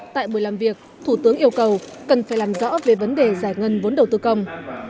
tại buổi làm việc thủ tướng yêu cầu cần phải làm rõ về vấn đề giải ngân vốn đầu tư công